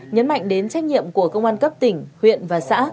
nhấn mạnh đến trách nhiệm của công an cấp tỉnh huyện và xã